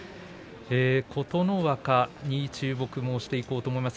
琴ノ若に注目をしていこうと思います。